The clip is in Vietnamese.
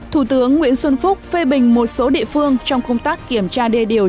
thủ tướng nguyễn xuân phúc phê bình một số địa phương trong công tác kiểm tra đê điều